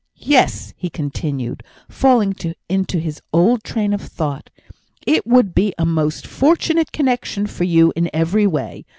Yes," he continued, falling into his old train of thought, "it would be a most fortunate connexion for you in every way.